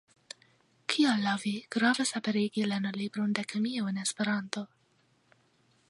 Kial laŭ vi gravas aperigi lernolibron de kemio en Esperanto?